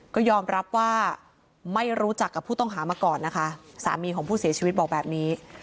ก็ยอมรับว่าไม่รู้จักกับผู้ต้องหามาก่อนนะคะสามีของผู้เสียชีวิตบอกแบบนี้